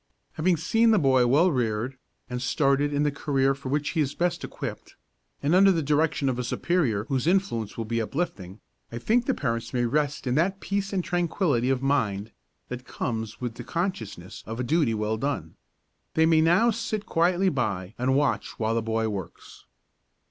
Having seen the boy well reared and started in the career for which he is best equipped, and under the direction of a superior whose influence will be uplifting, I think the parents may rest in that peace and tranquillity of mind that comes with the consciousness of a duty well done. They may now sit quietly by and watch while the boy works.